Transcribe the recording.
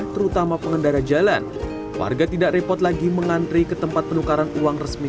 terutama pengendara jalan warga tidak repot lagi mengantri ke tempat penukaran uang resmi